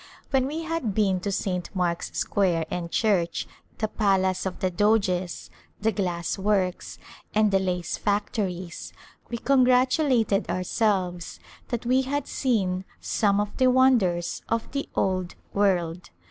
When we had been to St. Mark's Square and Church, the Palace of the Doges, the glass works, and the lace factories, we congratu lated ourselves that we had seen sojne of the wonders of the Old World.